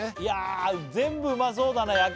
いやあ全部うまそうだね